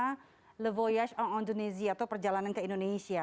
the voyage on indonesia atau perjalanan ke indonesia